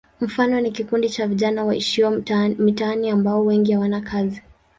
Mfano ni kikundi cha vijana waishio mitaani ambao wengi hawana kazi.